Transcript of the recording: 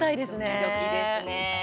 ドキドキですね。